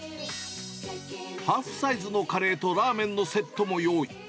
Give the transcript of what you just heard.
ハーフサイズのカレーとラーメンのセットも用意。